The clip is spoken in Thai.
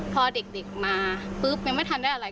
พอเด็กมาปุ๊บยังไม่ทันได้อะไร